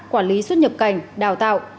quản lý xuất nhập cảnh đào tạo